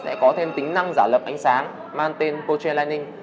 sẽ có thêm tính năng giả lập ánh sáng mang tên coltrane lighting